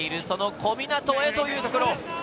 小湊へというところ。